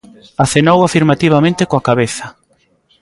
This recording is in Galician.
Acenou afirmativamente coa cabeza.